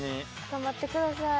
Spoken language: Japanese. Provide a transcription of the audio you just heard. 頑張ってください。